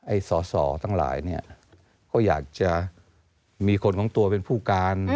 สอสอทั้งหลายเนี่ยก็อยากจะมีคนของตัวเป็นผู้การ